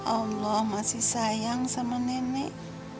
allah masih sayang sama nenek